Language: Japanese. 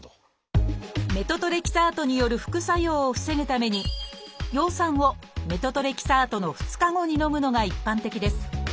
メトトレキサートによる副作用を防ぐために葉酸をメトトレキサートの２日後にのむのが一般的です。